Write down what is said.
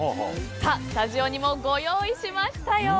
スタジオにも、ご用意しましたよ。